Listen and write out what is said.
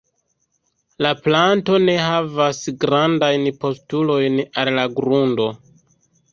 La planto ne havas grandajn postulojn al la grundo.